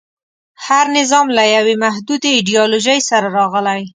هر نظام له یوې محدودې ایډیالوژۍ سره راغلی.